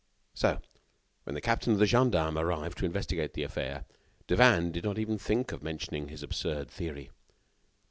So, when the captain of the gendarmes arrived to investigate the affair, Devanne did not even think of mentioning his absurd theory.